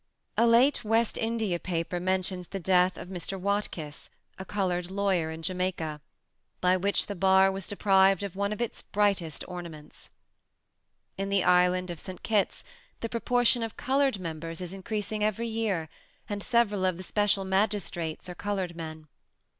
A late West India paper mentions the death of Mr. Watkis, a colored lawyer in Jamaica, "by which the bar was deprived of one of its brightest ornaments." In the Island of St. Kitts, the proportion of colored members is increasing every year, and several of the special magistrates are colored men.